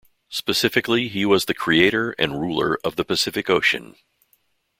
Specifically, he was the creator and ruler of the Pacific Ocean.